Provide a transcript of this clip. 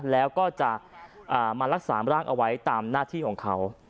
แล้วก็จะมารักษาร่างเอาไว้ตามหน้าที่ของเขา